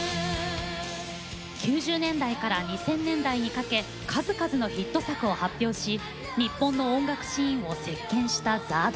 ９０年代から２０００年代にかけ数々のヒット作を発表し日本の音楽シーンを席けんしたＺＡＲＤ。